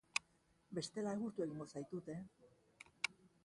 Bestela egurtu egingo zaitut eh!